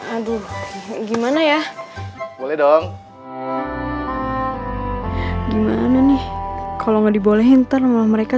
aduh gimana ya boleh dong gimana nih kalau nggak dibolehinter sama mereka